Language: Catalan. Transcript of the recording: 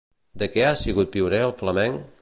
De què ha sigut pioner el flamenc?